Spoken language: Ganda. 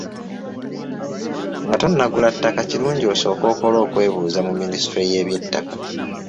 Nga tonnagula ttaka kirungi osooke okole okwebuuza mu minisitule y’eby'ettaka.